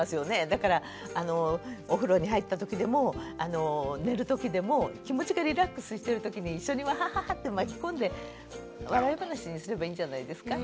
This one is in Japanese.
だからお風呂に入ったときでも寝るときでも気持ちがリラックスしてるときに一緒にワハハハッて巻き込んで笑い話にすればいいんじゃないですか。